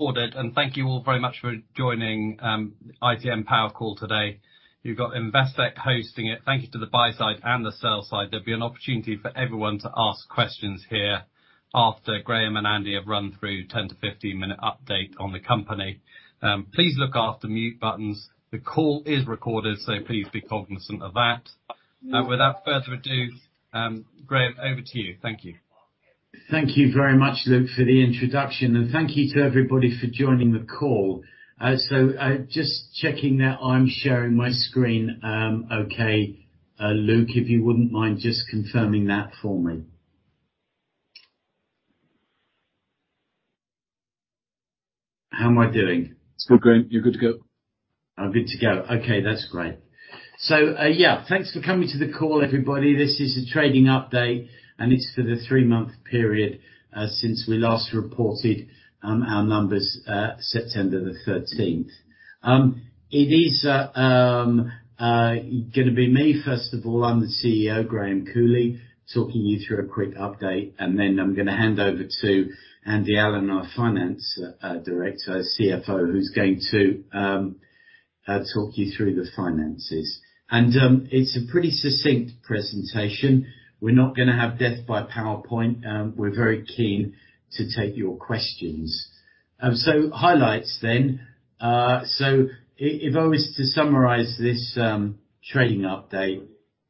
Recorded, and thank you all very much for joining the ITM Power call today. You've got Investec hosting it. Thank you to the buy side and the sell side. There'll be an opportunity for everyone to ask questions after Graham and Andy have run through a 10- to 15-minute update on the company. Please look after your mute buttons. The call is recorded, so please be cognizant of that. Without further ado, Graham, over to you. Thank you. Thank you very much, Luke, for the introduction. Thank you to everybody for joining the call. Just checking that I'm sharing my screen. Luke, if you wouldn't mind just confirming that for me. How am I doing? It's all good. You're good to go. I'm good to go. Okay, that's great. Yeah, thanks for coming to the call, everybody. This is a trading update, and it's for the three-month period since we last reported our numbers on September the 13th. It's going to be me, first of all. I'm the CEO, Graham Cooley, talking you through a quick update, and then I'm going to hand over to Andy Allen, our Finance Director, CFO, who's going to talk you through the finances. It's a pretty succinct presentation. We're not going to have death by PowerPoint. We're very keen to take your questions. Highlights then. If I were to summarize this trading update,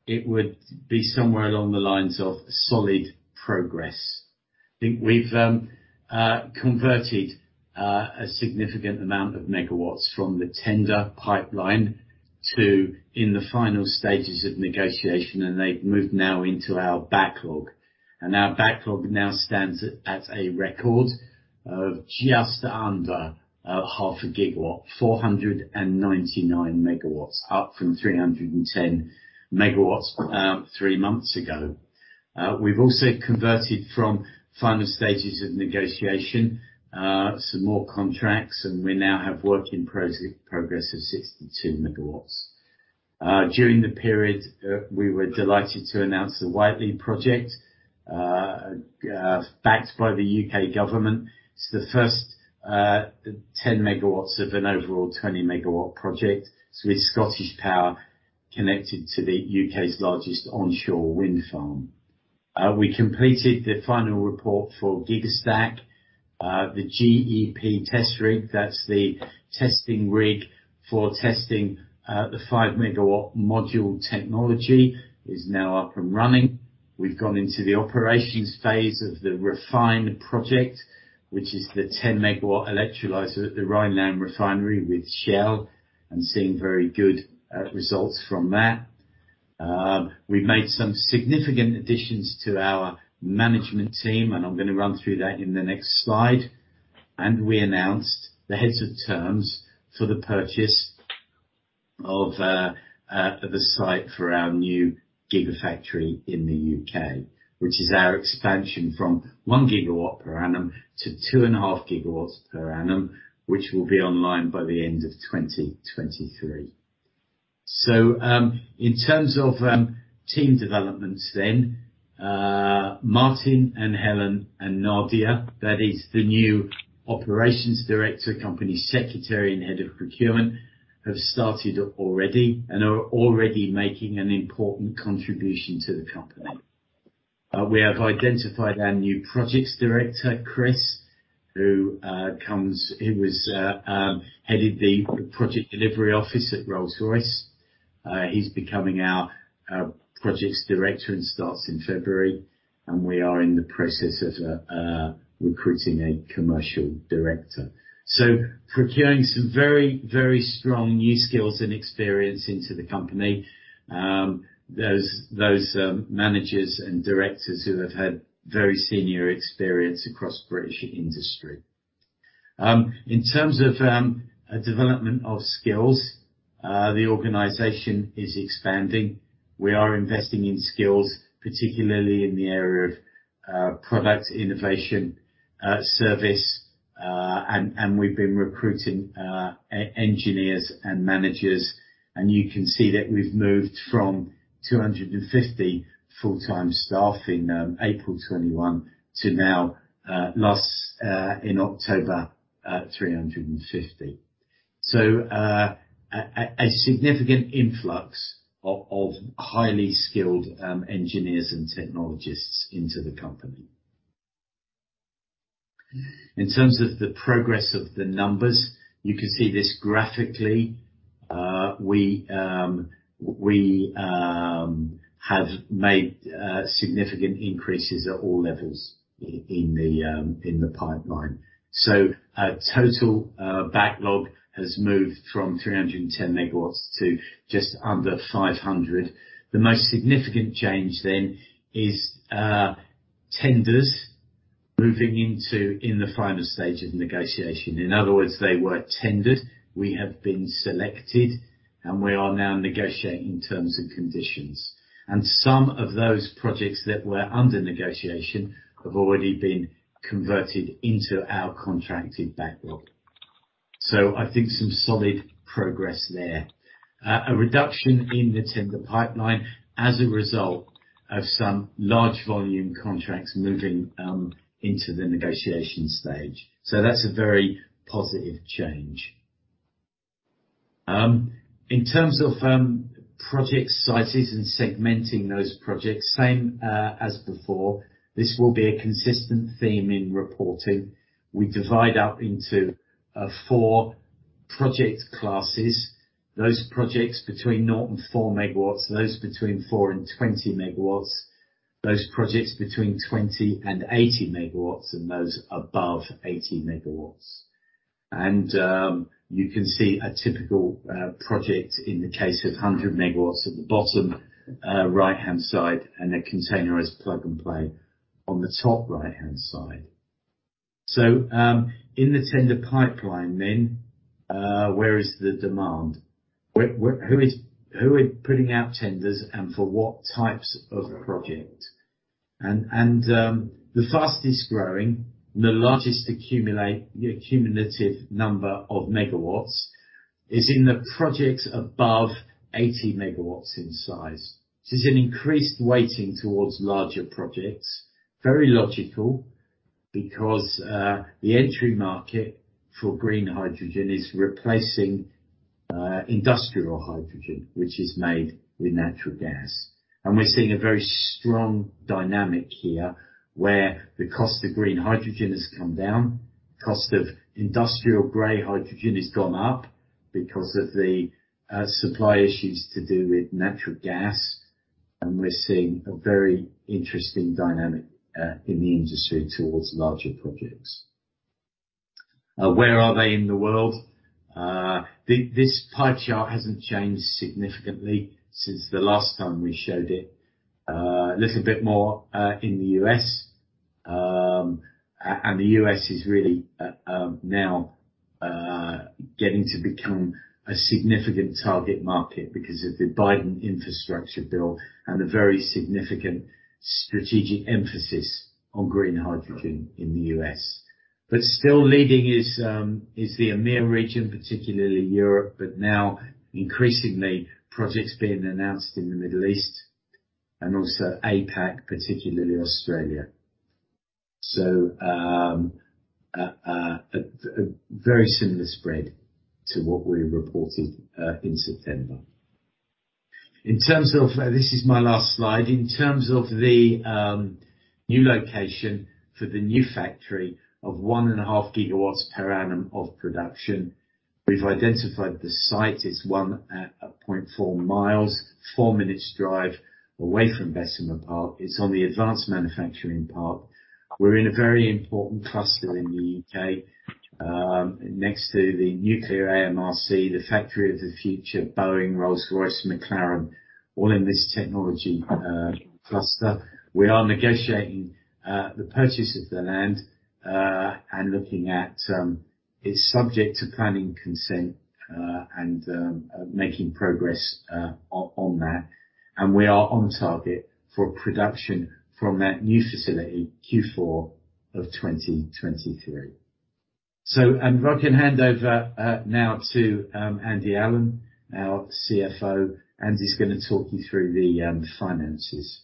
it would be somewhere along the lines of solid progress. I think we've converted a significant amount of megawatts from the tender pipeline to the final stages of negotiation, and they've moved now into our backlog. Our backlog now stands at a record of just under half a gigawatt, 499 MW, up from 310 MW three months ago. We've also converted some more contracts from the final stages of negotiation, and we now have work in progress of 62 MW. During the period, we were delighted to announce the Whitelee project, backed by the U.K. government. It's the first 10 MW of an overall 20-MW project with ScottishPower connected to the U.K.'s largest onshore wind farm. We completed the final report for Gigastack, the GEP test rig. The testing rig for the 5 MW module technology is now up and running. We've entered the operations phase of the REFHYNE project, which involves the 10 MW electrolyzer at the Rheinland Refinery with Shell, and we're seeing very good results from that. We've made some significant additions to our management team, and I'm going to elaborate on that in the next slide. We announced the heads of terms for the purchase of a site for our new gigafactory in the U.K., which represents our expansion from 1 GW per annum to 2.5 GW per annum, and this will be online by the end of 2023. In terms of team developments, Martin, Helen, and Nadia, who are the new Operations Director, Company Secretary, and Head of Procurement, respectively, have already started and are making important contributions to the company. We have identified our new Projects Director, Chris, who headed the Project Delivery Office at Rolls-Royce. He will become our Projects Director and starts in February. We are also in the process of recruiting a Commercial Director. We are procuring some very strong new skills and experience for the company, as these managers and directors have had very senior experience across British industry. In terms of skill development, the organization is expanding. We are investing in skills, particularly in the areas of product innovation and service. We've been recruiting engineers and managers, and you can see that we've moved from 250 full-time staff in April 2021 to 350 last October. This is a significant influx of highly skilled engineers and technologists into the company. In terms of the progress of the numbers, you can see this graphically. We have made significant increases at all levels in the pipeline. The total backlog has moved from 310 MW to just under 500 MW. The most significant change, then, is tenders moving into the final stage of negotiation. In other words, they were tendered, we have been selected, and we are now negotiating terms and conditions. Some of those projects that were under negotiation have already been converted into our contracted backlog. I think there's some solid progress there. A reduction in the tender pipeline as a result of some large-volume contracts moving into the negotiation stage. That's a very positive change. In terms of project sizes and segmenting those projects, same as before, this will be a consistent theme in reporting. We divide up into four project classes: those projects between 0-4 MW, those between 4-20 MW, those projects between 20-80 MW, and those above 80 MW. You can see a typical project, in the case of 100 MW, at the bottom right-hand side, and a containerized plug-and-play on the top right-hand side. In the tender pipeline then, where is the demand? Who is putting out tenders, and for what types of projects? The fastest-growing and largest cumulative number of megawatts is in projects above 80 MW in size. This is an increased weighting towards larger projects. This is very logical because the entry market for green hydrogen is replacing industrial hydrogen, which is made with natural gas. We're seeing a very strong dynamic here, where the cost of green hydrogen has come down, the cost of industrial gray hydrogen has gone up because of the supply issues to do with natural gas, and we're seeing a very interesting dynamic in the industry towards larger projects. Where are they in the world? This pie chart hasn't changed significantly since the last time we showed it. A little bit more in the U.S. The U.S. is really now becoming a significant target market because of the Bipartisan Infrastructure Law and a very significant strategic emphasis on green hydrogen in the U.S. Still leading is the EMEA region, particularly Europe, but now increasingly projects are being announced in the Middle East and also APAC, particularly Australia. A very similar spread to what we reported in September. This is my last slide. In terms of the new location for the new factory of 1.5 gigawatts per annum of production, we've identified the site. It's 1.4 miles, a 4-minute drive away from Bessemer Park. It's on the Advanced Manufacturing Park. We're in a very important cluster in the U.K., next to the Nuclear AMRC, the factory of the future, Boeing, Rolls-Royce, and McLaren, all in this technology cluster. We are negotiating the purchase of the land, and looking at it. It's subject to planning consent, and we are making progress on that. We are on target for production from that new facility in Q4 of 2023. If I can hand over now to Andy Allen, our CFO, Andy's going to talk you through the finances.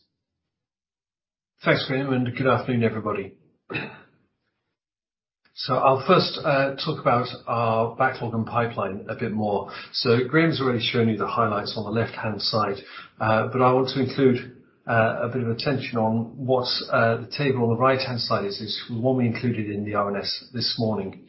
Thanks, Graham, and good afternoon, everybody. I'll first talk a bit more about our backlog and pipeline. Graham's already shown you the highlights on the left-hand side, but I want to draw a bit of attention to the table on the right-hand side. This is what we included in the RNS this morning.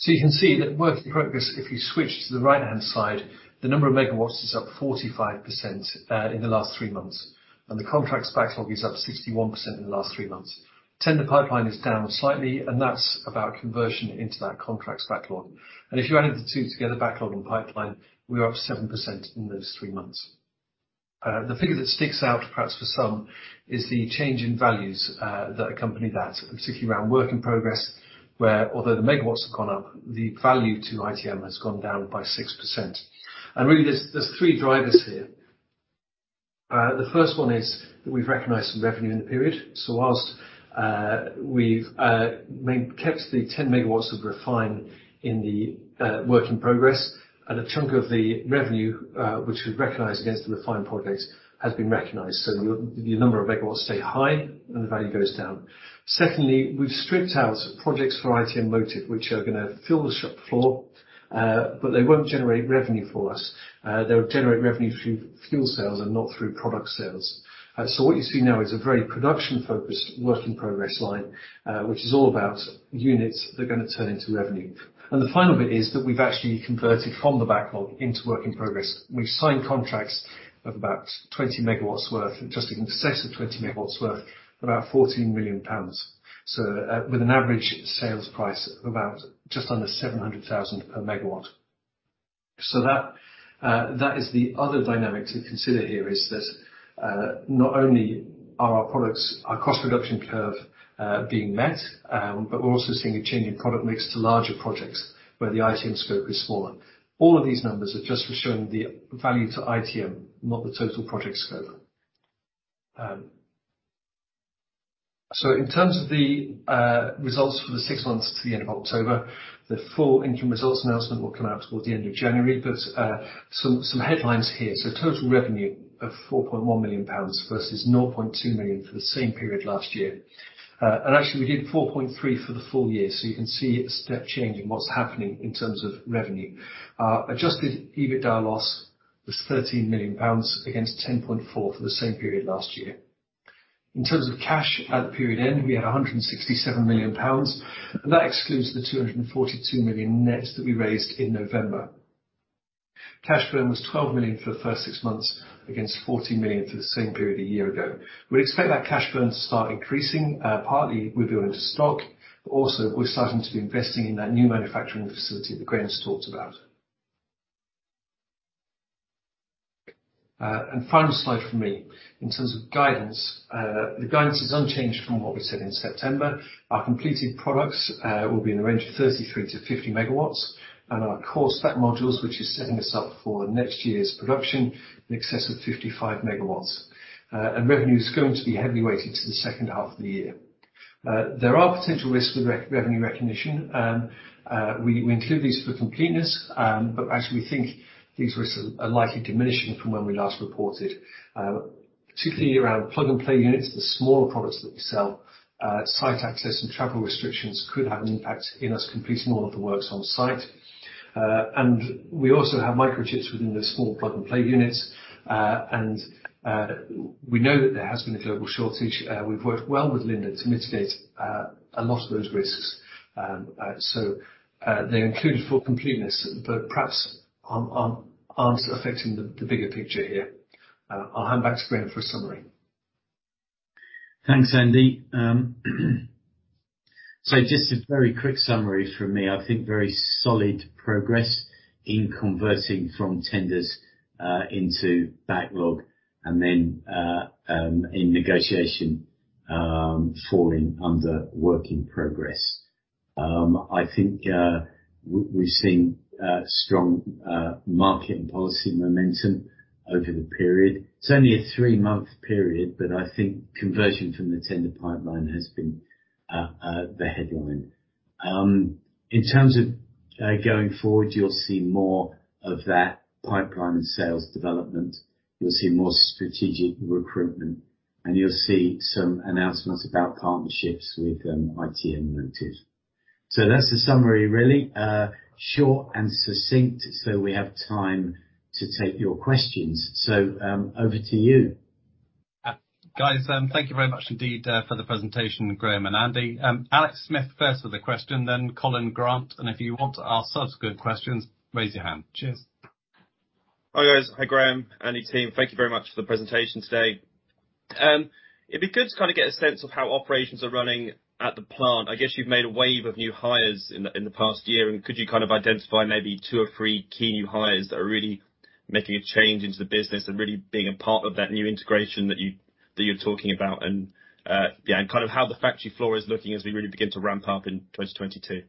You can see that work in progress, if you switch to the right-hand side, the number of megawatts, is up 45% in the last three months, and the contracts backlog is up 61% in the last three months. The tender pipeline is down slightly, and that's about conversion into that contracts backlog. If you added the two together, backlog and pipeline, we're up 7% in those three months. The figure that sticks out for some is perhaps the change in values that accompanies that, particularly around work in progress. Although the megawatts have gone up, the value to ITM has gone down by 6%. There are three drivers here. The first is that we've recognized some revenue in the period. While we've kept the 10 megawatts of REFHYNE in the work in progress, a chunk of the revenue recognized against the REFHYNE projects has been recognized. Your number of megawatts stays high, and the value goes down. Secondly, we've stripped out projects for ITM Motive, which are going to fill the shop floor, but they won't generate revenue for us. They'll generate revenue through fuel sales and not through product sales. What you see now is a very production-focused work-in-progress line, which is all about units that are going to turn into revenue. The final bit is that we've actually converted from the backlog into work in progress. We've signed contracts of about 20 MW worth, just in excess of 20 MW worth, about 14 million pounds, with an average sales price of just under 700,000 per MW. That is the other dynamic to consider here: not only are our products and our cost reduction curve being met, but we're also seeing a change in product mix to larger projects where the ITM scope is smaller. All of these numbers are just showing the value to ITM, not the total project scope. In terms of the results for the six months to the end of October, the full income results announcement will come out toward the end of January. Some headlines here: Total revenue of 4.1 million pounds versus 0.2 million for the same period last year. Actually, we did 4.3 million for the full year, so you can see a step change in what's happening in terms of revenue. Adjusted EBITDA loss was GBP 13 million against GBP 10.4 million for the same period last year. In terms of cash at the period end, we had GBP 167 million, and that excludes the GBP 242 million net that we raised in November. Cash burn was GBP 12 million for the first six months against GBP 40 million for the same period a year ago. We expect cash burn to start increasing, partly with building stock, but also we're starting to invest in that new manufacturing facility that Graham's talked about. Final slide from me: In terms of guidance, it is unchanged from what we said in September. Our completed products will be in the range of 33-50 MW, and our core stack modules, which are setting us up for next year's production, will be in excess of 55 MW. Revenue is going to be heavily weighted to the second half of the year. There are potential risks with revenue recognition. We include these for completeness, but actually, we think these risks are likely diminishing from when we last reported. Particularly around plug-and-play units, the smaller products that we sell, site access and travel restrictions could have an impact on us completing all of the work on-site. We also have microchips within the small plug-and-play units. We know that there has been a global shortage. We've worked well with Linde to mitigate a lot of those risks. They're included for completeness but perhaps aren't affecting the bigger picture here. I'll hand back to Graham for a summary. Thanks, Andy. So, just a very quick summary from me. I think there's been very solid progress in converting from tenders into backlog, and then in negotiation, falling under work in progress. I think we've seen strong market and policy momentum over the period. It's only a three-month period, but I think conversion from the tender pipeline has been the headline. In terms of going forward, you'll see more of that pipeline and sales development, you'll see more strategic recruitment, and you'll see some announcements about partnerships with ITM Motive. That's the summary, really. Short and succinct, so we have time to take your questions. Over to you. Guys, thank you very much indeed for the presentation, Graham and Andy. Alex Smith first with a question, then Colin Grant. If you want to ask subsequent questions, raise your hand. Cheers. Hi, guys. Hi, Graham, Andy, team. Thank you very much for the presentation today. It'd be good to kind of get a sense of how operations are running at the plant. I guess you've made a wave of new hires in the past year, and could you kind of identify maybe two or three key new hires that are really making a change in the business and really being a part of that new integration that you're talking about, and kind of how the factory floor is looking as we really begin to ramp up in 2022.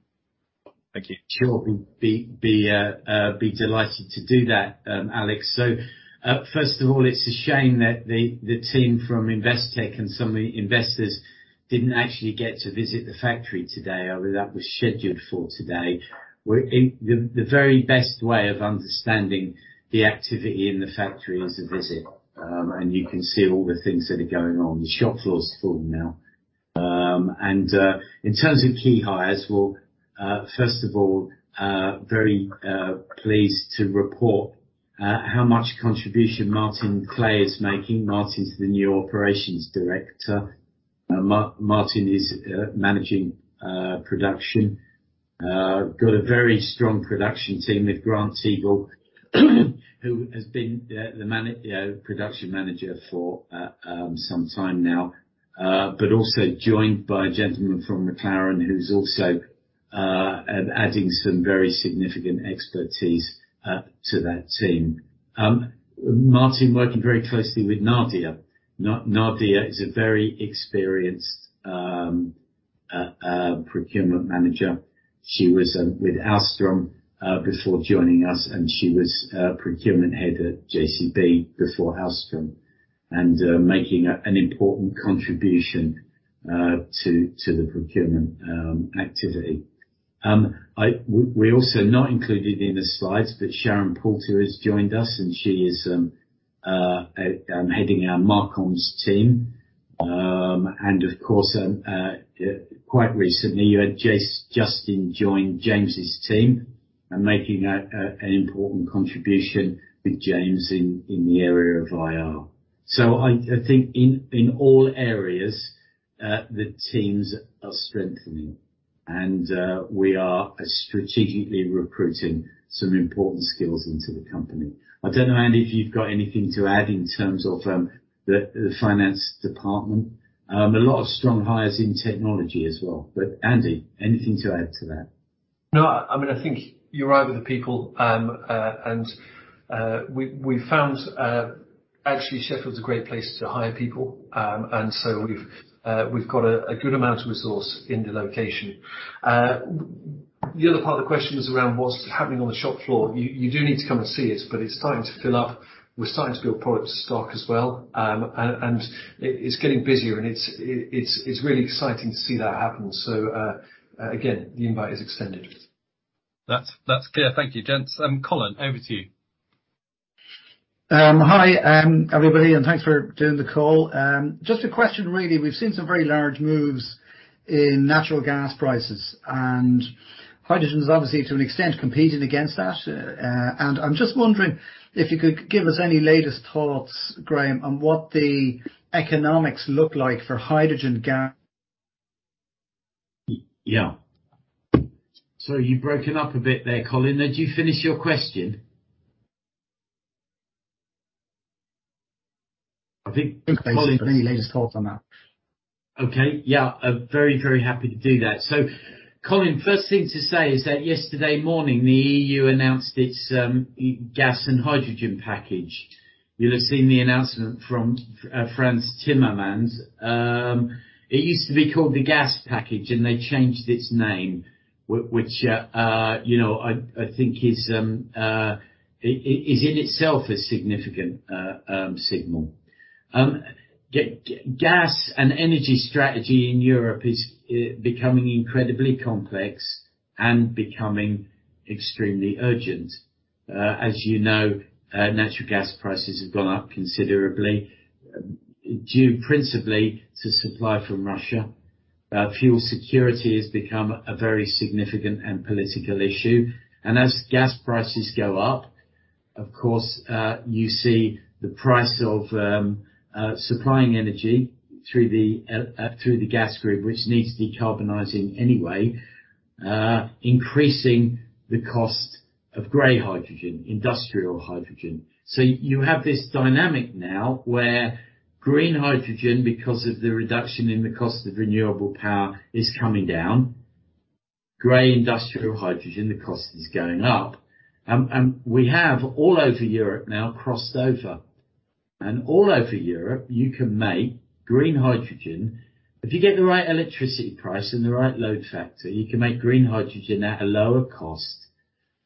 Thank you. Sure. I'd be delighted to do that, Alex. First of all, it's a shame that the team from Investec and some of the investors didn't actually get to visit the factory today, although that was scheduled. The very best way of understanding the activity in the factory is to visit, and you can see all the things that are going on. The shop floor is full now. In terms of key hires, well, first of all, I'm very pleased to report how much of a contribution Martin Clay is making. Martin's the new Operations Director. Martin is managing production. We've got a very strong production team with Grant Siegel, who has been the Production Manager for some time now. Also joined by a gentleman from McLaren who's also adding some very significant expertise to that team. Martin is working very closely with Nadia. Nadia is a very experienced procurement manager. She was with Alstom before joining us, and she was procurement head at JCB before Alstom, making an important contribution to the procurement activity. We also, not included in the slides, have Sharon Poulter, who has joined us and is heading our MarComms team. Of course, quite recently, Justin joined James' team, making an important contribution with James in the area of IR. I think in all areas the teams are strengthening, and we are strategically recruiting some important skills into the company. I don't know, Andy, if you've got anything to add in terms of the finance department. A lot of strong hires in technology as well. Andy, anything to add to that? No, I mean, I think you're right about the people. We've found that Sheffield is a great place to hire people. We've got a good amount of resources in the location. The other part of the question is about what's happening on the shop floor. You do need to come and see it, but it's starting to fill up. We're starting to build product stock as well, and it's getting busier, and it's really exciting to see that happen. Again, the invite is extended. That's clear. Thank you, gents. Colin, over to you. Hi, everybody, and thanks for doing the call. Just a question, really. We've seen some very large moves in natural gas prices, and hydrogen is obviously, to an extent, competing against that. I'm just wondering if you could give us any latest thoughts, Graham, on what the economics look like for hydrogen ga- Yeah. Sorry, you broke up a bit there, Colin. Did you finish your question? I think- Colin, any latest thoughts on that? Okay. Yeah, very, very happy to do that. Colin, the first thing to say is that yesterday morning, the EU announced its Hydrogen and Decarbonised Gas Market Package. You'll have seen the announcement from Frans Timmermans. It used to be called the gas package, and they changed its name which, you know, I think in itself is a significant signal. Gas and energy strategy in Europe is becoming incredibly complex and extremely urgent. As you know, natural gas prices have gone up considerably, due principally to supply from Russia. Fuel security has become a very significant and political issue. As gas prices go up, of course, you see the price of supplying energy through the gas grid, which needs decarbonizing anyway, increasing the cost of gray hydrogen, industrial hydrogen. You have this dynamic now where green hydrogen, because of the reduction in the cost of renewable power, is coming down. Gray industrial hydrogen, the cost is going up. We have now crossed over all over Europe. All over Europe, you can make green hydrogen. If you get the right electricity price and the right load factor, you can make green hydrogen at a lower cost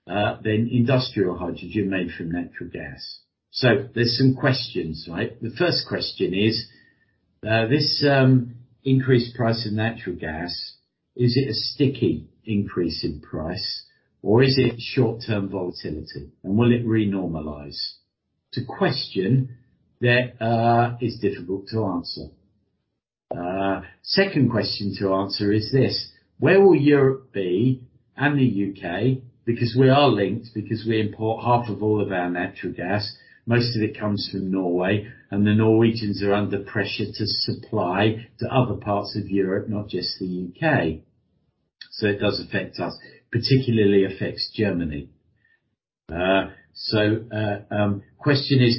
than industrial hydrogen made from natural gas. There are some questions, right? The first question is this increased price in natural gas, is it a sticky increase in price, or is it short-term volatility, and will it re-normalize? It's a question that is difficult to answer. The second question to answer is this: where will Europe and the U.K. be? Because we are linked, we import half of all our natural gas. Most of it comes from Norway, and the Norwegians are under pressure to supply other parts of Europe, not just the U.K. It does affect us, particularly Germany. The question is,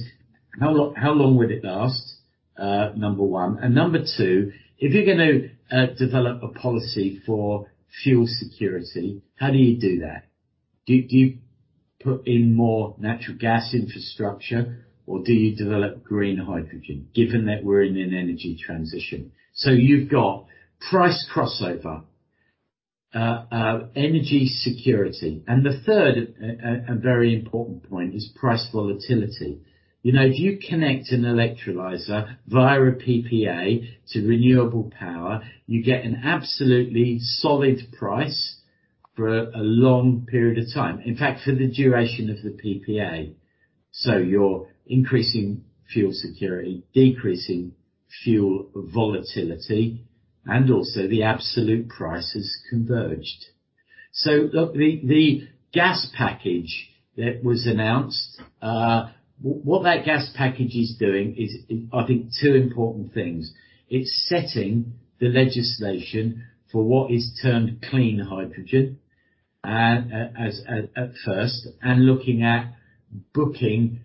how long will it last? Number one. Number two, if you're going to develop a policy for fuel security, how do you do that? Do you put in more natural gas infrastructure, or do you develop green hydrogen, given that we're in an energy transition? You've got price crossover, energy security, and the third very important point is price volatility. You know, if you connect an electrolyzer via a PPA to renewable power, you get an absolutely solid price for a long period of time—in fact, for the duration of the PPA. You're increasing fuel security, decreasing fuel volatility, and also the absolute price has converged. The gas package that was announced, what that gas package is doing is, I think, two important things. It's setting the legislation for what is termed clean hydrogen, as a first, and looking at blending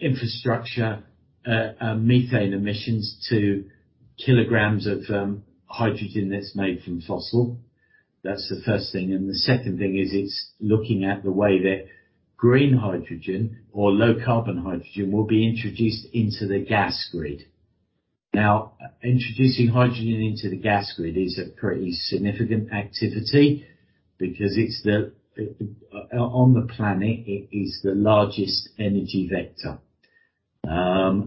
infrastructure, methane emissions to kilograms of hydrogen that's made from fossil. That's the first thing. The second thing is it's looking at the way that green hydrogen or low-carbon hydrogen will be introduced into the gas grid. Now, introducing hydrogen into the gas grid is a pretty significant activity because on the planet it is the largest energy vector. I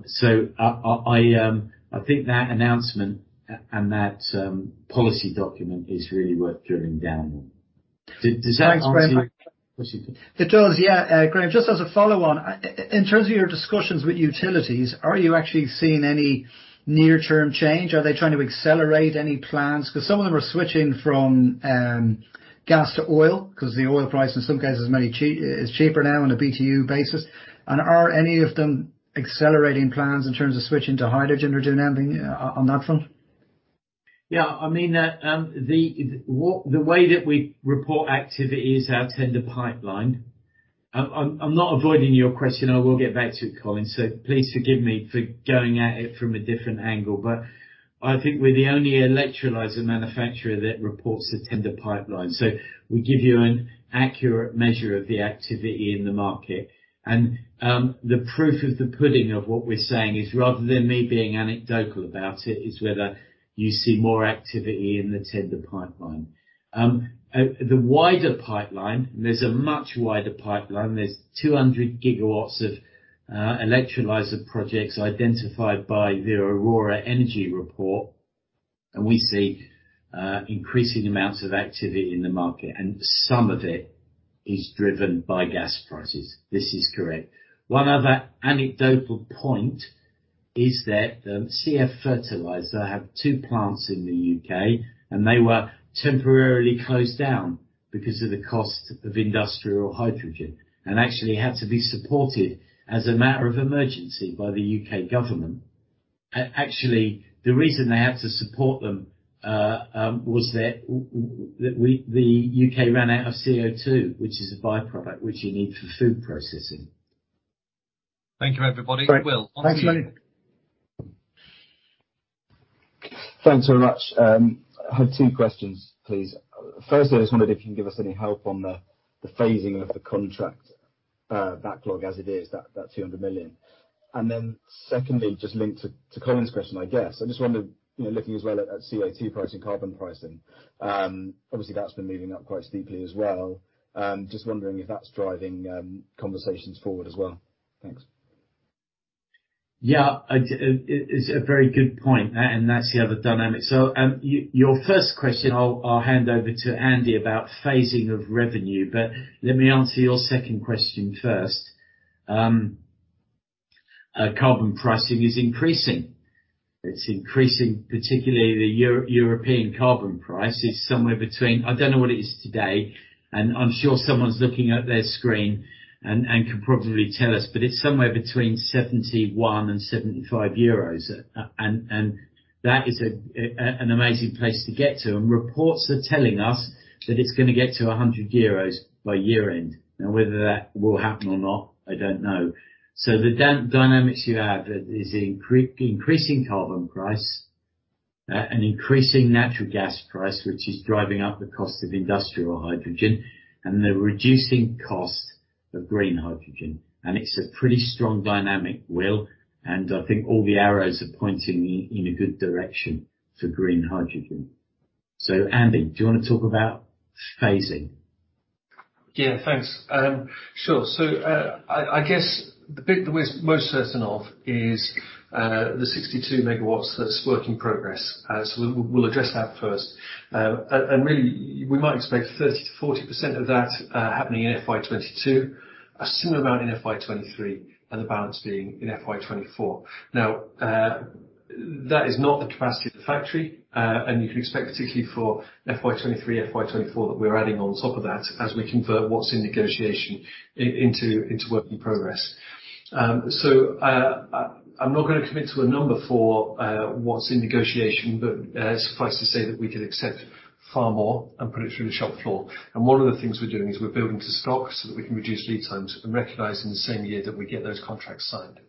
think that announcement and that policy document are really worth drilling down on. Does that answer- Thanks, Graham. your question? It does, yeah. Graham, just as a follow-on, in terms of your discussions with utilities, are you actually seeing any near-term change? Are they trying to accelerate any plans? 'Cause some of them are switching from gas to oil, 'cause the oil price in some cases is maybe cheaper now on a BTU basis. Are any of them accelerating plans in terms of switching to hydrogen or doing anything on that front? Yeah, I mean, the way that we report activity is our tender pipeline. I'm not avoiding your question. I will get back to it, Colin, so please forgive me for going at it from a different angle. I think we're the only electrolyzer manufacturer that reports a tender pipeline. We give you an accurate measure of the activity in the market. The proof of the pudding of what we're saying, rather than me being anecdotal about it, is whether you see more activity in the tender pipeline. The wider pipeline, and there's a much wider pipeline. There are 200 gigawatts of electrolyzer projects identified by the Aurora Energy Research report. We see increasing amounts of activity in the market, and some of it is driven by gas prices. This is correct. One other anecdotal point is that CF Fertilisers has two plants in the U.K., and they were temporarily closed down because of the cost of industrial hydrogen. They actually had to be supported as a matter of emergency by the U.K. government. The reason they had to be supported was that the U.K. ran out of CO2, which is a by-product needed for food processing. Thank you, everybody. Will, on to you. Thanks, buddy. Thanks very much. I had two questions, please. Firstly, I just wondered if you can give us any help on the phasing of the contract backlog as it is, that £200 million. Secondly, just linked to Colin's question, I guess. I just wondered, you know, looking as well at CO2 pricing, carbon pricing, obviously that's been moving up quite steeply as well. Just wondering if that's driving conversations forward as well. Thanks. It is a very good point, and that's the other dynamic. Your first question, I'll hand over to Andy about the phasing of revenue, but let me answer your second question first. Carbon pricing is increasing, particularly the European carbon price. I don't know what it is today, and I'm sure someone's looking at their screen and can probably tell us, but it's somewhere between 71-75 euros. That is an amazing place to get to. Reports are telling us that it's going to get to 100 euros by year-end. Now, whether that will happen or not, I don't know. The dynamic you have is the increasing carbon price and increasing natural gas price, which is driving up the cost of industrial hydrogen and reducing the cost of green hydrogen. It's a pretty strong dynamic, Will, and I think all the arrows are pointing in a good direction for green hydrogen. Andy, do you want to talk about phasing? Yeah, thanks. Sure. I guess the bit that we're most certain of is the 62 MW that's work in progress. We'll address that first. Really, we might expect 30%-40% of that happening in FY 2022, a similar amount in FY 2023, and the balance being in FY 2024. Now, that is not the capacity of the factory, and you can expect, particularly for FY 2023, FY 2024, that we're adding on top of that as we convert what's in negotiation into work in progress. I'm not going to commit to a number for what's in negotiation, but suffice it to say that we could accept far more and put it through the shop floor. One of the things we're doing is building to stock so that we can reduce lead times and recognize in the same year that we get those contracts signed.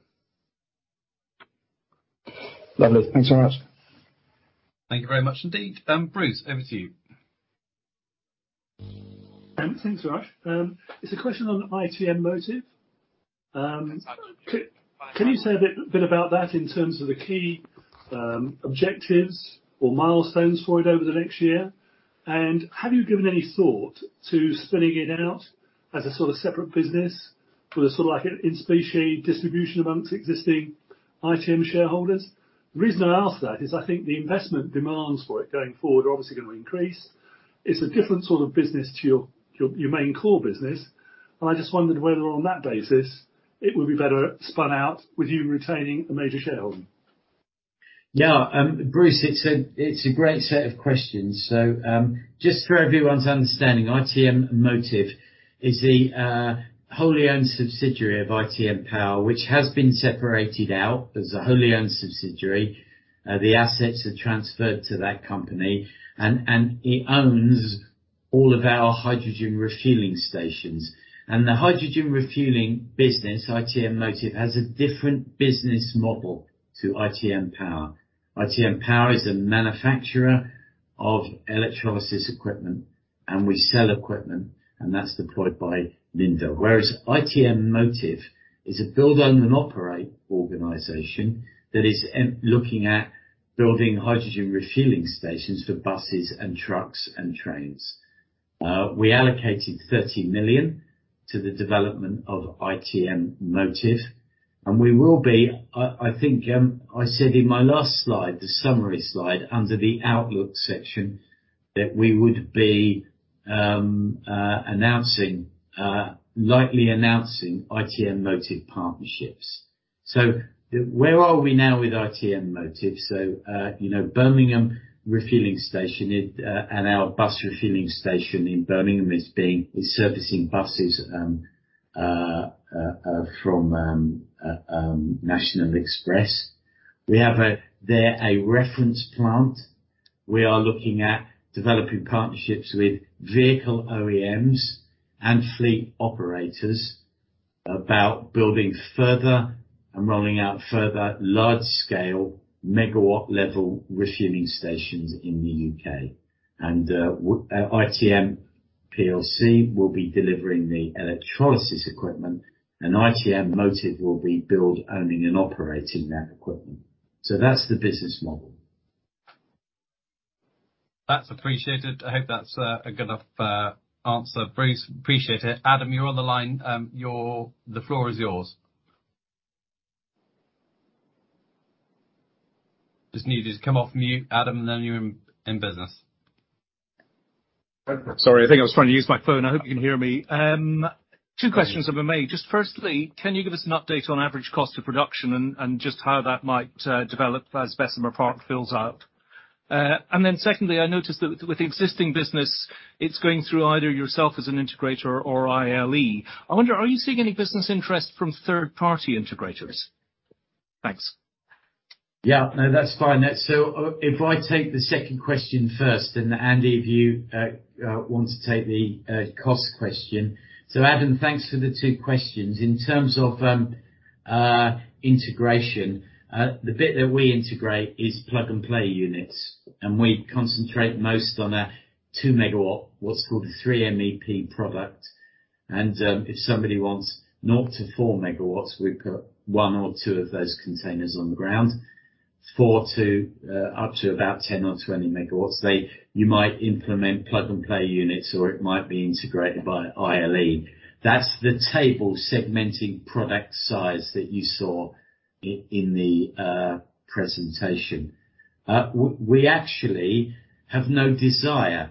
Lovely. Thanks very much. Thank you very much indeed. Bruce, over to you. Thanks very much. It's a question on ITM Motive. Can you say a bit about that in terms of the key objectives or milestones for it over the next year? And have you given any thought to spinning it out as a sort of separate business with a sort of like an in-specie distribution amongst existing ITM shareholders? The reason I ask that is I think the investment demands for it going forward are obviously going to increase. It's a different sort of business to your main core business. I just wondered whether on that basis it would be better spun out with you retaining a major shareholding. Yeah. Bruce, those are a great set of questions. Just for everyone's understanding, ITM Motive is the wholly owned subsidiary of ITM Power, which has been separated out as a wholly owned subsidiary. The assets are transferred to that company, and it owns all of our hydrogen refueling stations. The hydrogen refueling business, ITM Motive, has a different business model from ITM Power. ITM Power is a manufacturer of electrolysis equipment, and we sell equipment that is deployed by Linde. Whereas ITM Motive is a build, own, and operate organization that is looking at building hydrogen refueling stations for buses, trucks, and trains. We allocated 30 million to the development of ITM Motive, and I think I said in my last slide, the summary slide under the outlook section, that we would likely be announcing ITM Motive partnerships. Where are we now with ITM Motive? Our Birmingham Refueling Station and our bus refueling station in Birmingham are servicing buses from National Express. We have their reference plant. We are looking at developing partnerships with vehicle OEMs and fleet operators to build further and roll out more large-scale megawatt-level refueling stations in the UK. ITM PLC will be delivering the electrolysis equipment, and ITM Motive will be building, owning, and operating that equipment. That's the business model. That's appreciated. I hope that's a good enough answer. Bruce, I appreciate it. Adam, you're on the line. The floor is yours. Just need you to come off mute, Adam, and then you're in business. Sorry, I think I was trying to use my phone. I hope you can hear me. Two questions have been made. Firstly, can you give us an update on the average cost of production and just how that might develop as Bessemer Park fills out? Secondly, I noticed that with the existing business, it's going through either yourself as an integrator or ILE. I wonder, are you seeing any business interest from third-party integrators? Thanks. Yeah. No, that's fine. If I take the second question first, then Andy, if you want to take the cost question. Adam, thanks for the two questions. In terms of integration, the bit that we integrate is plug-and-play units, and we concentrate most on a 2-megawatt, what's called a three MEP product. If somebody wants 0 to 4 megawatts, we've got one or two of those containers on the ground. From 4 up to about 10 or 20 megawatts, you might implement plug-and-play units, or it might be integrated by ILE. That's the table segmenting product size that you saw in the presentation. We actually have no desire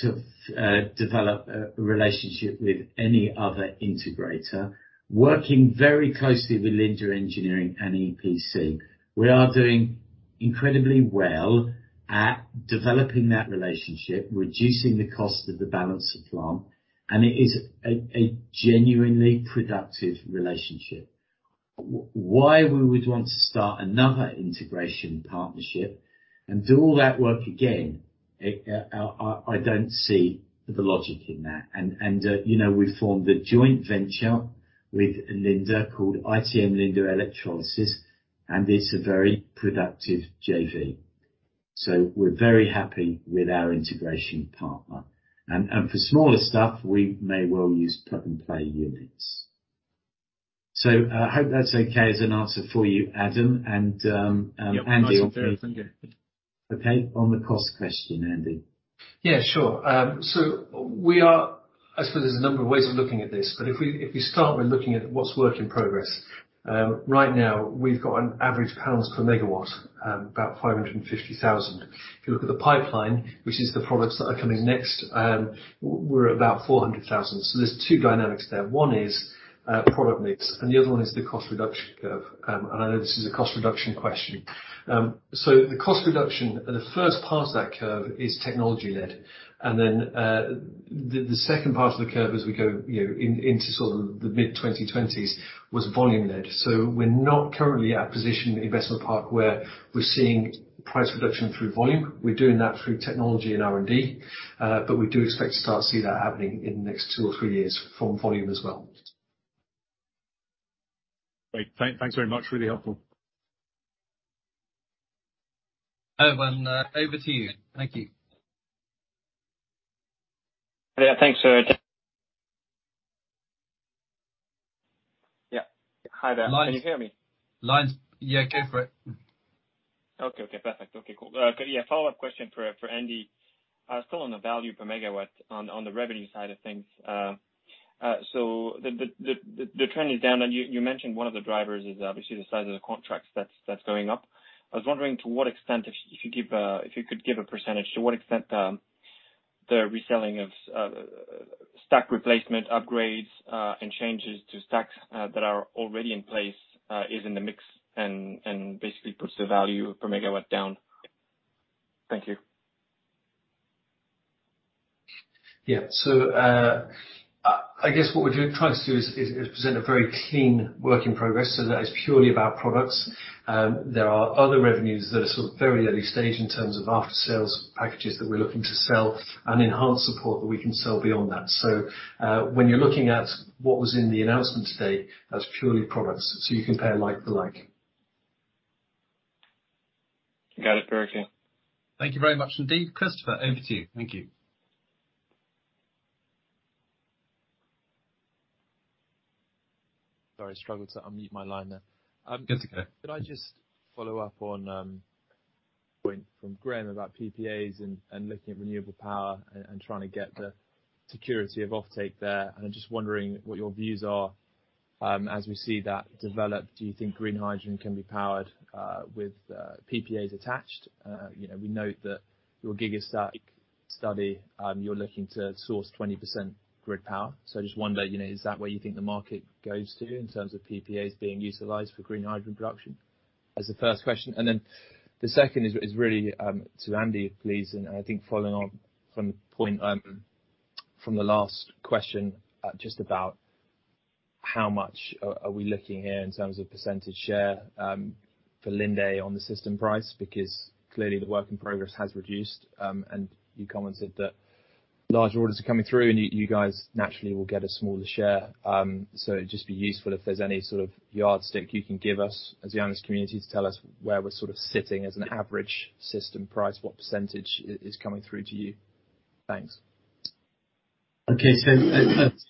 to develop a relationship with any other integrator. Working very closely with Linde Engineering and EPC, we are doing incredibly well at developing that relationship, reducing the cost of the balance of plant, and it is a genuinely productive relationship. Why we would want to start another integration partnership and do all that work again, I don't see the logic in that. You know, we formed a joint venture with Linde called ITM Linde Electrolysis, and it's a very productive JV, so we're very happy with our integration partner. For smaller stuff, we may well use plug-and-play units. Hope that's okay as an answer for you, Adam. Andy- Yep. Nice and clear. Thank you. Okay, on the cost question, Andy. Yeah, sure. I suppose there are a number of ways of looking at this, but if we start by looking at what's a work in progress, right now we've got an average of GBP 550,000 per megawatt. If you look at the pipeline, which is the products that are coming next, we're at about 400,000. There are two dynamics there. One is product mix, and the other one is the cost reduction curve. I know this is a cost reduction question. The first part of that cost reduction curve is technology-led. Then the second part of the curve, as we go, you know, into sort of the mid-2020s, was volume-led. We're not currently at a position in Bessemer Park where we're seeing price reduction through volume. We're doing that through technology and R&D. We do expect to start to see that happening in the next two or three years from volume as well. Great. Thanks very much. Really helpful. Erwan, over to you. Thank you. Yeah, thanks. Hi there. Line's- Can you hear me? Linde's. Yeah, go for it. Okay. Okay, perfect. Okay, cool. Yeah, follow-up question for Andy. Still on the value per megawatt on the revenue side of things. The trend is down, and you mentioned one of the drivers is obviously the size of the contracts that's going up. I was wondering to what extent, if you could give a percentage, the reselling of stack replacement upgrades and changes to stacks that are already in place is in the mix and basically puts the value per megawatt down. Thank you. I guess what we're doing, trying to do is present a very clean work in progress, so that is purely of our products. There are other revenues that are sort of very early stage in terms of after-sales packages that we're looking to sell and enhanced support that we can sell beyond that. When you're looking at what was in the announcement today, that's purely products, so you compare like to like. Got it. Perfect. Thank you very much indeed. Christopher, over to you. Thank you. Sorry, struggled to unmute my line there. That's okay. Could I just follow up on a point from Graham about PPAs and looking at renewable power and trying to get the security of off-take there? I'm just wondering what your views are as we see that develop. Do you think green hydrogen can be powered with PPAs attached? You know, we note that in your Gigastack study, you're looking to source 20% grid power. I just wonder, you know, is that where you think the market goes in terms of PPAs being utilized for green hydrogen production? That's the first question. Then the second is really to Andy, please, and I think following on from the point from the last question, just about how much are we looking at here in terms of percentage share for Linde on the system price? Because clearly the work in progress has reduced. You commented that large orders are coming through and you guys naturally will get a smaller share. It'd just be useful if there's any sort of yardstick you can give us as the analyst community to tell us where we're sitting as an average system price, what percentage is coming through to you. Thanks. Okay,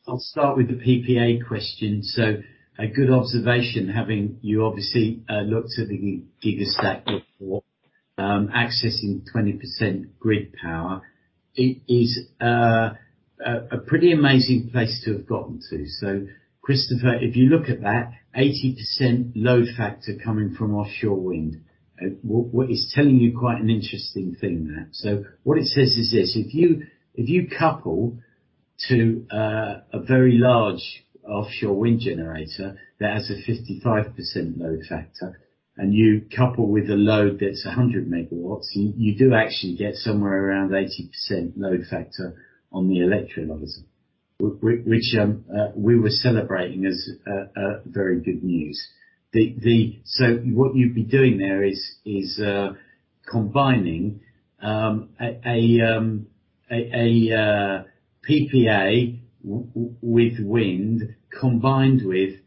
I'll start with the PPA question. That's a good observation, having you obviously look to the Gigastack before accessing 20% grid power. It is a pretty amazing place to have gotten to. Christopher, if you look at that 80% load factor coming from offshore wind, it's telling you quite an interesting thing there. What it says is this: if you couple a very large offshore wind generator that has a 55% load factor with a load that's 100 MW, you do actually get somewhere around an 80% load factor on the electrolyzer, which we were celebrating as very good news. What you'd be doing there is combining a PPA with wind, combined with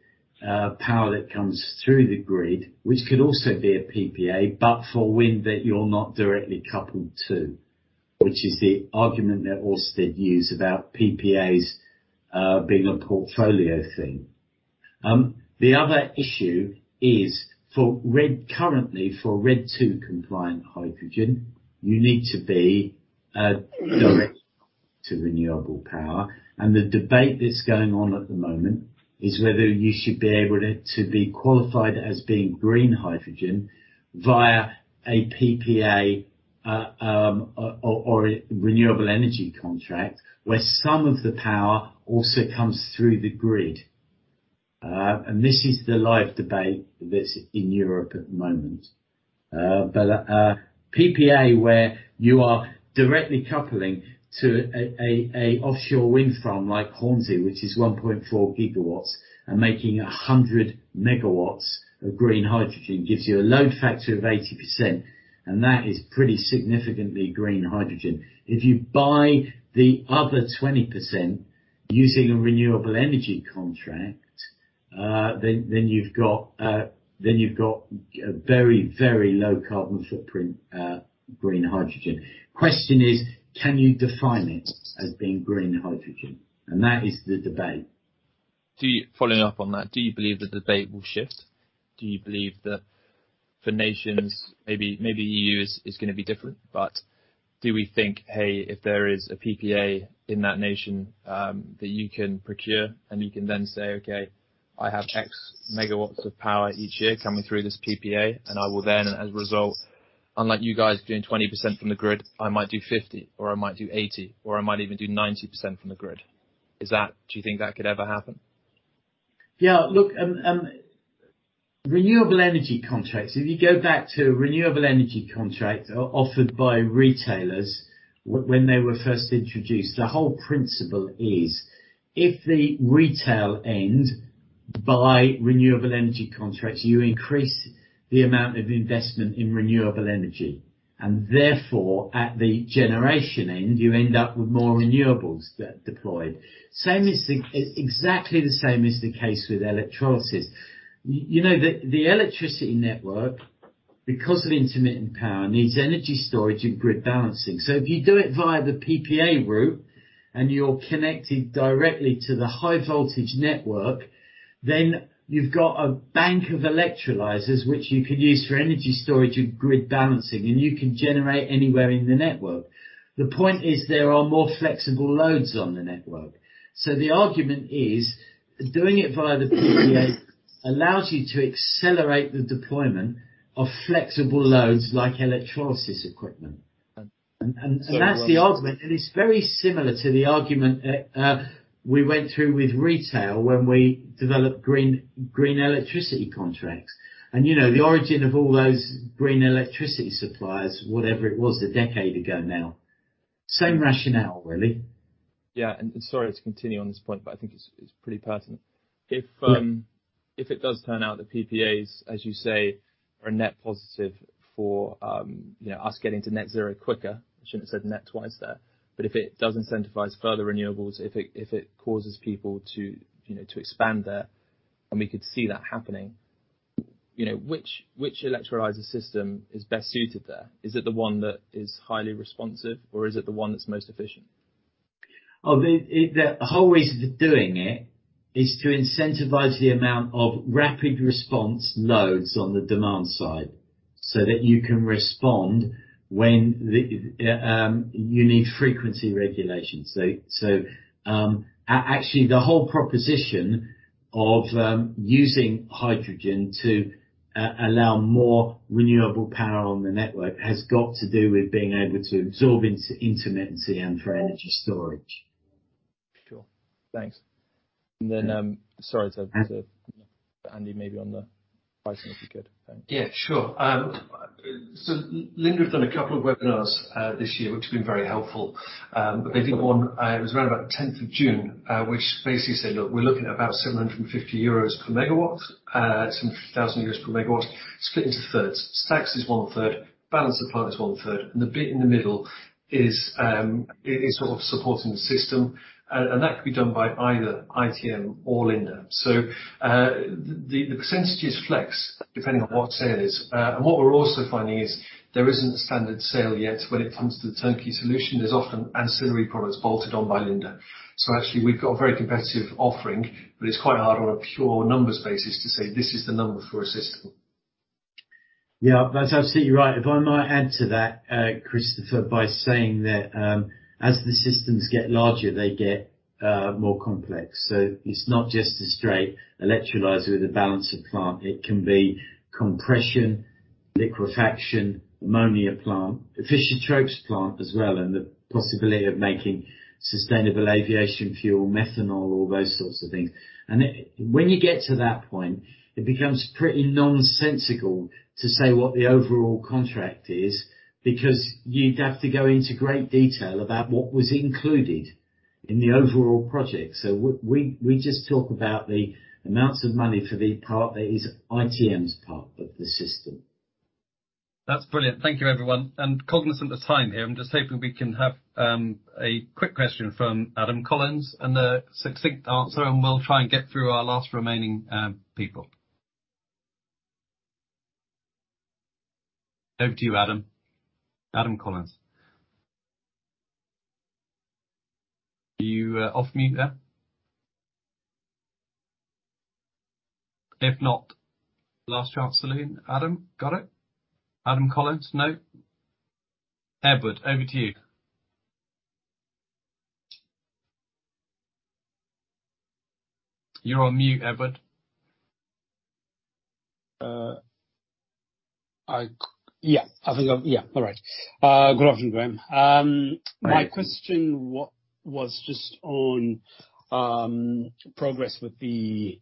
power that comes through the grid, which could also be a PPA, but for wind that you're not directly coupled to, which is the argument that Ørsted uses about PPAs being a portfolio thing. The other issue is for RED II compliant hydrogen, you need to be direct to renewable power. The debate that's going on at the moment is whether you should be able to be qualified as being green hydrogen via a PPA or renewable energy contract, where some of the power also comes through the grid. This is the live debate that's in Europe at the moment. PPA, where you are directly coupling to an offshore wind farm like Hornsea, which is 1.4 GW, and making 100 MW of green hydrogen gives you a load factor of 80%, and that is pretty significantly green hydrogen. If you buy the other 20% using a renewable energy contract, then you've got a very low carbon footprint, green hydrogen. The question is, can you define it as being green hydrogen? That is the debate. Following up on that, do you believe the debate will shift? Do you believe that for nations—maybe the EU is going to be different—but do we think, "Hey, if there is a PPA in that nation that you can procure, and you can then say, 'Okay, I have X megawatts of power each year coming through this PPA, and I will then, as a result (unlike you guys doing 20% from the grid), I might do 50%, or I might do 80%, or I might even do 90% from the grid'"? Do you think that could ever happen? Yeah. Look, renewable energy contracts, if you go back to renewable energy contracts offered by retailers when they were first introduced, the whole principle is if the retail end buys renewable energy contracts, you increase the amount of investment in renewable energy, and therefore, at the generation end, you end up with more renewables deployed. Exactly the same is the case with electrolysis. You know, the electricity network, because of intermittent power, needs energy storage and grid balancing. If you do it via the PPA route, and you're connected directly to the high-voltage network, then you've got a bank of electrolyzers which you can use for energy storage and grid balancing, and you can generate anywhere in the network. The point is there are more flexible loads on the network. The argument is that doing it via the PPA allows you to accelerate the deployment of flexible loads, such as electrolysis equipment. And- That's the argument. It's very similar to the argument we went through with retail when we developed green electricity contracts. You know, the origin of all those green electricity suppliers, whatever it was a decade ago now, same rationale really. Yeah. Sorry to continue on this point, but I think it's pretty pertinent. Yeah. If it turns out that PPAs, as you say, are net positive for us getting to net zero quicker, I shouldn't have said "net" twice there. If it incentivizes further renewables, if it causes people to expand that, and we could see that happening, which electrolyzer system is best suited there? Is it the one that is highly responsive, or is it the one that's most efficient? The whole reason for doing it is to incentivize rapid response loads on the demand side so that you can respond when you need frequency regulation. Actually, the whole proposition of using hydrogen to allow more renewable power on the network has to do with being able to absorb intermittency and for energy storage. Sure. Thanks. Sorry to Andy, maybe on the pricing, if you could. Thanks. Yeah, sure. Linde has done a couple of webinars this year, which have been very helpful. They did one around the tenth of June, which basically said, "Look, we're looking at about 750 per megawatt, seven hundred thousand euros per megawatt split into thirds. Stacks is one-third, balance of plant is one-third, and the bit in the middle is sort of supporting the system." That could be done by either ITM or Linde. The percentages flex depending on what the sale is. What we're also finding is there isn't a standard sale yet when it comes to the turnkey solution. There are often ancillary products bolted on by Linde. Actually, we've got a very competitive offering, but it's quite hard on a pure numbers basis to say this is the number for a system. Yeah, that's absolutely right. If I might add to that, Christopher, by saying that, as the systems get larger, they get more complex. It's not just a straight electrolyzer with a balance of plant; it can be compression, liquefaction, an ammonia plant, a Fischer-Tropsch plant as well, and the possibility of making sustainable aviation fuel, methanol, all those sorts of things. When you get to that point, it becomes pretty nonsensical to say what the overall contract is because you'd have to go into great detail about what was included in the overall project. We just talk about the amounts of money for the part that is ITM's part of the system. That's brilliant. Thank you, everyone. Cognizant of the time here, I'm just hoping we can have a quick question from Adam Collins and a succinct answer, and we'll try and get through our last remaining people. Over to you, Adam. Adam Collins, are you off mute there? If not, last chance. Celine, Adam, got it? Adam Collins? No. Edward, over to you. You're on mute, Edward. Good afternoon, Graham. Hi. My question was just on progress with the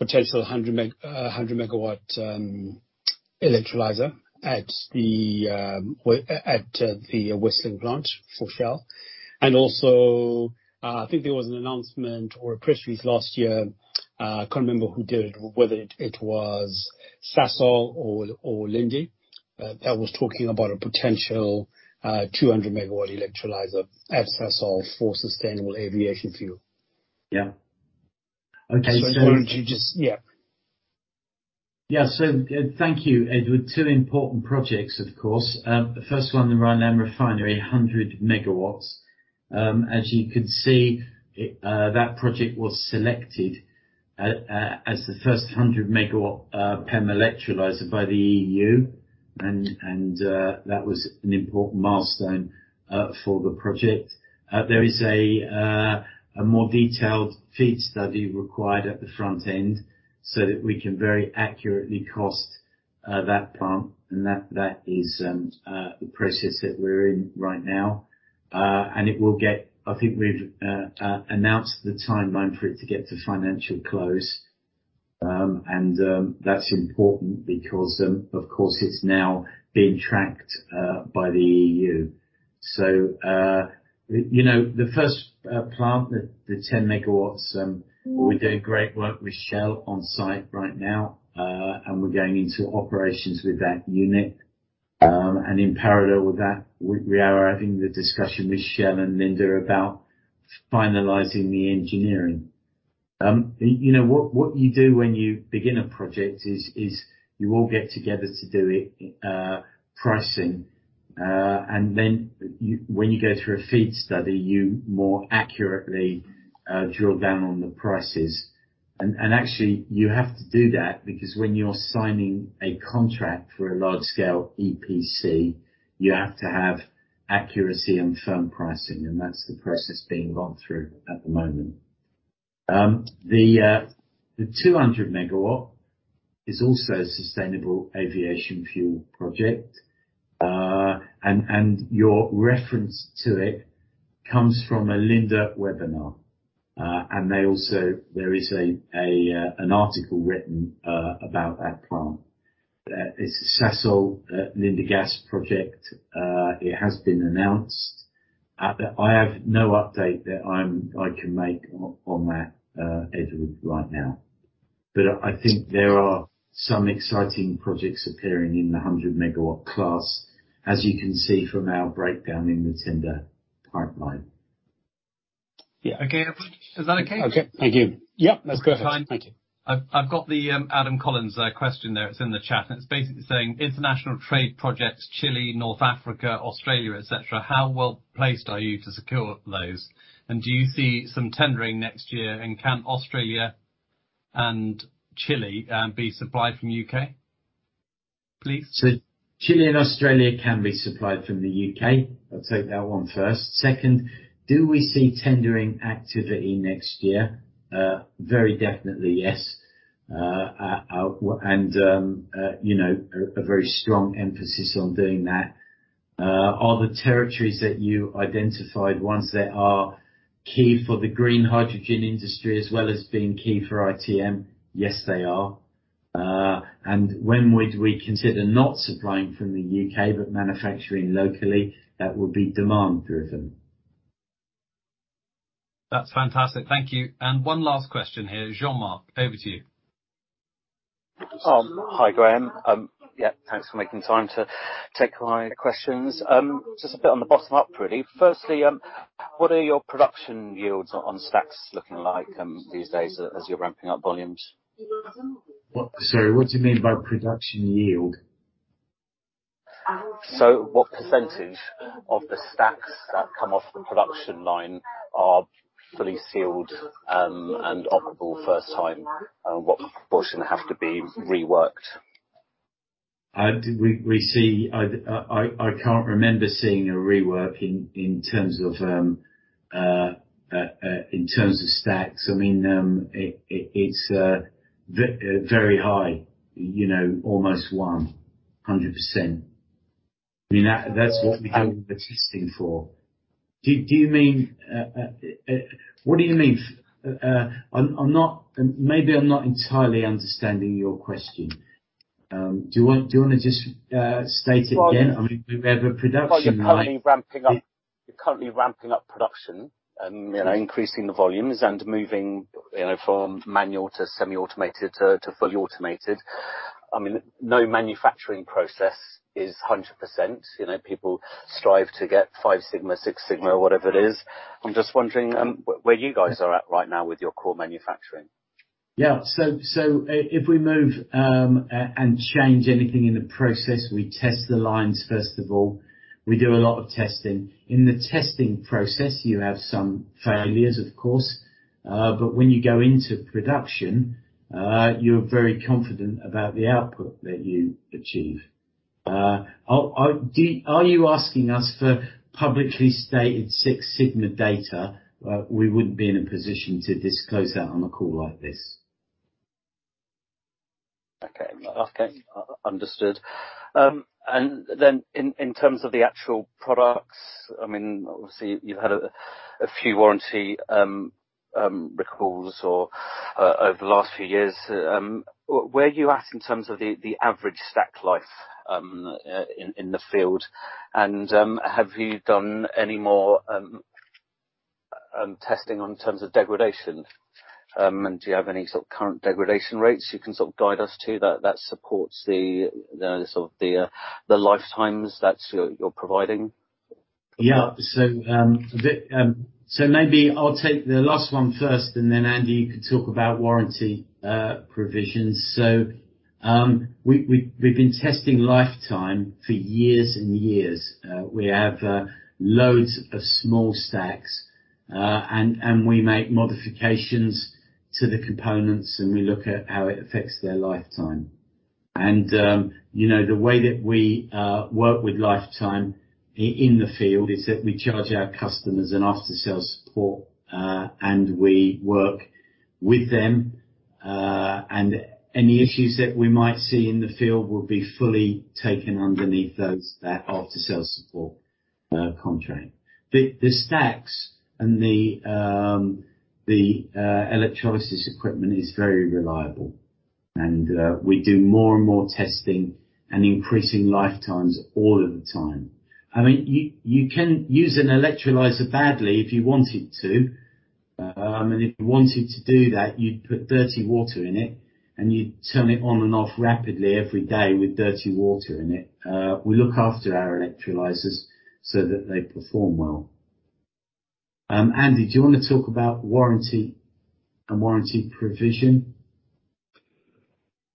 potential 100 MW electrolyzer at the Wesseling plant for Shell. I think there was an announcement or a press release last year. I can't remember who did it, whether it was Sasol or Linde that was talking about a potential 200 MW electrolyzer at Sasol for sustainable aviation fuel. Yeah. Okay. Yeah. Yeah. Thank you, Edward. Two important projects, of course. The first one, the Rheinland Refinery, 100 MW. As you can see, that project was selected as the first 100 MW PEM electrolyzer by the EU, and that was an important milestone for the project. There is a more detailed FEED study required at the front end so that we can very accurately cost that plant, and that is the process that we're in right now. It will get to financial close. I think we've announced the timeline for it. That's important because, of course, it's now being tracked by the EU. You know, the first plant, the 10 MW, we're doing great work with Shell on-site right now, and we're going into operations with that unit. In parallel with that, we are having discussions with Shell and Linde about finalizing the engineering. You know, what you do when you begin a project is you all get together to do pricing, and then when you go through a FEED study, you more accurately drill down on the prices. Actually, you have to do that because when you're signing a contract for a large-scale EPC, you have to have accuracy and firm pricing, and that's the process being gone through at the moment. The 200-megawatt is also a sustainable aviation fuel project. Your reference to it comes from a Linde webinar. There is an article written about that plant. It's a Sasol, Linde Gas project. It has been announced. I have no update I can make on that, Edward, right now. I think there are some exciting projects appearing in the 100-megawatt class, as you can see from our breakdown in the tender pipeline. Yeah. Okay. Is that okay? Okay. Thank you. Yep, that's perfect. That's fine. Thank you. I've got the Adam Collins question there. It's in the chat. It's basically saying, "International trade projects, Chile, North Africa, Australia, et cetera, how well-placed are you to secure those? Do you see some tendering next year? Can Australia and Chile be supplied from the U.K., please?" Chile and Australia can be supplied from the UK. I'll take that one first. Second, do we see tendering activity next year? Very definitely, yes. You know, a very strong emphasis on doing that. Are the territories that you identified ones that are key for the green hydrogen industry as well as being key for ITM? Yes, they are. When would we consider not supplying from the UK but manufacturing locally? That would be demand-driven. That's fantastic. Thank you. One last question here. Jean-Marc, over to you. Hi, Graham. Yeah, thanks for making time to take my questions. Just a bit on the bottom-up, really. Firstly, what are your production yields on stacks looking like these days as you're ramping up volumes? Sorry, what do you mean by production yield? What percentage of the stacks that come off the production line are fully sealed and operable the first time? What proportion have to be reworked? I can't remember seeing a rework in terms of stacks. I mean, it's very high, you know, almost 100%. I mean, that Wow. That's what we do the testing for. What do you mean? I'm not entirely understanding your question. Do you want to just state it again? Well- I mean, we have a production line. Well, you're currently ramping up production, you know, increasing the volumes and moving, you know, from manual to semi-automated to fully automated. I mean, no manufacturing process is 100%. You know, people strive to get five sigma, six sigma, whatever it is. I'm just wondering where you guys are at right now with your core manufacturing. If we move and change anything in the process, we test the lines first of all. We do a lot of testing. In the testing process, you have some failures, of course. When you go into production, you're very confident about the output that you achieve. Are you asking us for publicly stated Six Sigma data? We wouldn't be in a position to disclose that on a call like this. Okay. Understood. In terms of the actual products, I mean, obviously you've had a few warranty recalls over the last few years. Where are you at in terms of the average stack life in the field? Have you done any more testing in terms of degradation? Do you have any current degradation rates you can guide us to that support the lifetimes you're providing? Yeah. Maybe I'll take the last one first, and then Andy, you can talk about warranty provisions. We've been testing lifetime for years and years. We have loads of small stacks, and we make modifications to the components, and we look at how it affects their lifetime. You know, the way that we work with lifetime in the field is that we charge our customers for after-sales support, and we work with them, and any issues that we might see in the field will be fully covered under that after-sales support contract. The stacks and the electrolysis equipment are very reliable, and we do more and more testing and increasing lifetimes all of the time. I mean, you can use an electrolyzer badly if you wanted to. If you wanted to do that, you'd put dirty water in it, and you'd turn it on and off rapidly every day with dirty water in it. We look after our electrolyzers so that they perform well. Andy, do you want to talk about warranty provision?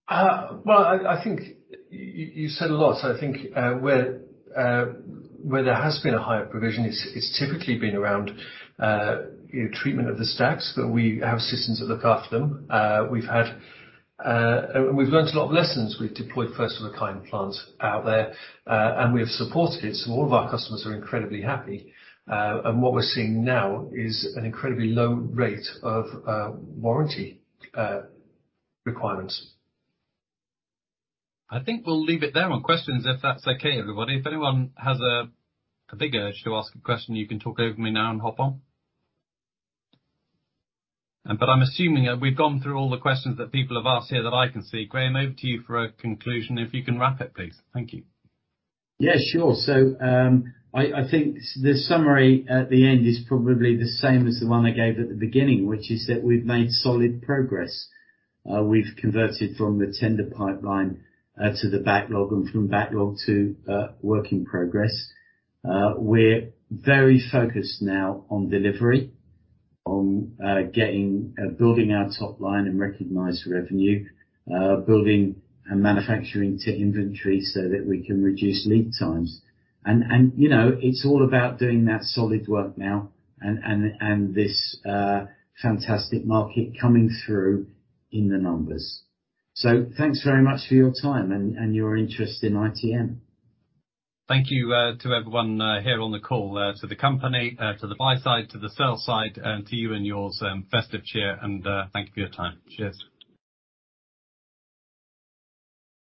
Well, I think you said a lot. I think where there has been a higher provision, it's typically been around treatment of the stacks, but we have systems that look after them. We've learned a lot of lessons. We've deployed first-of-a-kind plants out there, and we have supported it, so all of our customers are incredibly happy. What we're seeing now is an incredibly low rate of warranty requirements. I think we'll leave it there on questions if that's okay, everybody. If anyone has a big urge to ask a question, you can talk over me now and hop on. I'm assuming we've gone through all the questions that people have asked here that I can see. Graham, over to you for a conclusion, if you can wrap it up, please. Thank you. Yeah, sure. I think the summary at the end is probably the same as the one I gave at the beginning, which is that we've made solid progress. We've converted from the tender pipeline to the backlog and from backlog to work in progress. We're very focused now on delivery, on building our top line and recognized revenue, building and manufacturing to inventory so that we can reduce lead times. And you know, it's all about doing that solid work now and this fantastic market coming through in the numbers. Thanks very much for your time and your interest in ITM. Thank you to everyone here on the call, to the company, to the buy side, to the sell side, and to you and yours, festive cheer, and thank you for your time. Cheers.